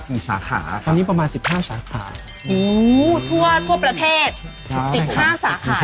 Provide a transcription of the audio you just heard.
สาขาคราวนี้ประมาณสิบห้าสาขาทั่วทั่วประเทศสิบห้าสาขา